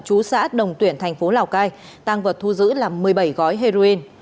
chú xã đồng tuyển thành phố lào cai tăng vật thu giữ là một mươi bảy gói heroin